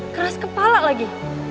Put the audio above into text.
keras kepala lagi